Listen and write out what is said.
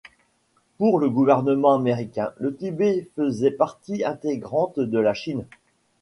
Pour le gouvernement américain, le Tibet faisait partie intégrante de la Chine.